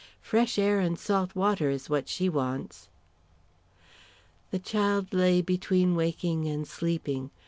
Fresh air and salt water is what she wants." The child lay between waking and sleeping.